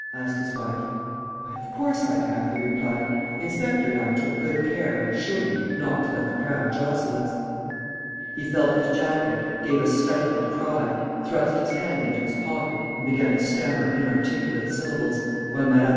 asked his wife. "Why, of course I have!" he replied. "The inspector and I took good care, I assure you, not to let the crowd jostle us." He felt his jacket, gave a stifled cry, thrust his hand into his pocket and began to stammer inarticulate syllables, while Mme.